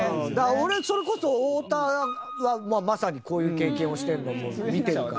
俺それこそ太田はまさにこういう経験をしてるのも見てるから。